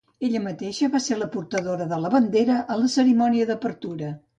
Ella mateixa va ser la portadora de la bandera a la cerimònia d'apertura.